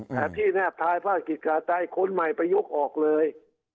แต่ที่แนบทายภาคกิจขาใต้คนใหม่ไปยกออกเลย